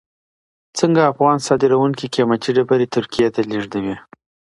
څنګه افغان صادروونکي قیمتي ډبرې ترکیې ته لیږدوي؟